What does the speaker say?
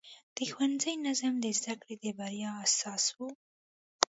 د ښوونځي نظم د زده کړې د بریا اساس و.